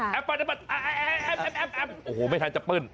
อัพไม่ทันจะเปิ้ล